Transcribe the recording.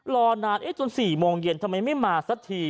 รอนานจน๔โมงเย็นทำไมไม่มาสักที